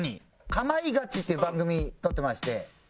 『かまいガチ』っていう番組撮ってまして。